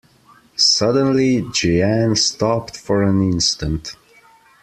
Suddenly Jeanne stopped for an instant.